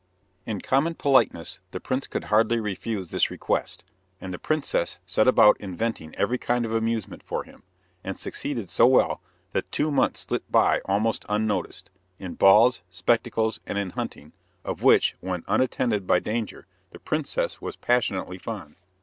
In common politeness the prince could hardly refuse this request, and the princess set about inventing every kind of amusement for him, and succeeded so well that two months slipped by almost unnoticed, in balls, spectacles and in hunting, of which, when unattended by danger, the princess was passionately fond.